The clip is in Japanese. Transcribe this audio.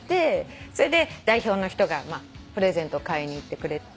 それで代表の人がプレゼント買いに行ってくれて。